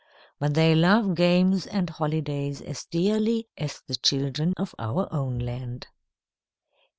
But they love games and holidays as dearly as the children of our own land.